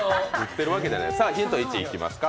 ヒント１いきますか。